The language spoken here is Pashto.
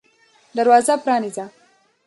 دروازه پرانیزه !